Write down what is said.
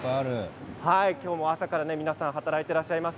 今日も朝から皆さん働いていらっしゃいます。